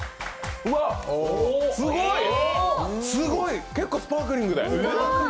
うわっ、すごい！結構スパークリングで。